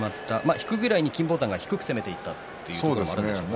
引くぐらい金峰山が低く攻めていったということもあるでしょうね。